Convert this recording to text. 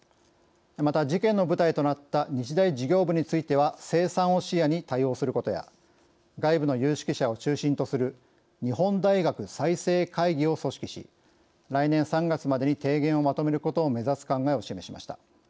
また事件の舞台となった日大事業部については清算を視野に対応することや外部の有識者を中心とする日本大学再生会議を組織し来年３月までに提言をまとめることを目指す考えを示しました。